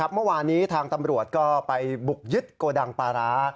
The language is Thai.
เมื่อวานนี้ทางตำรวจก็ไปบุกยึดโกดังปลาร้า